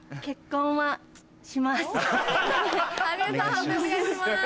判定お願いします。